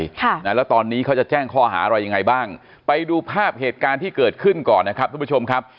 ค่ะนะแล้วตอนนี้เขาจะแจ้งข้อหาอะไรยังไงบ้างไปดูภาพเหตุการณ์ที่เกิดขึ้นก่อนนะครับทุกผู้ชมครับ